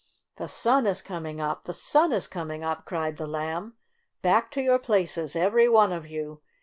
'' The sun is coming up ! The sun is com ing up !" cried the Lamb. "Back to your places, every one of you.